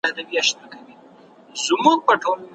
که ماشوم ته ارزښت ورکړو، نو هغه به د پښتو سره مینه ولري.